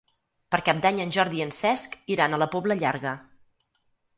Per Cap d'Any en Jordi i en Cesc iran a la Pobla Llarga.